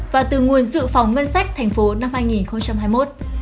và từ nguồn dự phòng ngân sách thành phố năm hai nghìn hai mươi một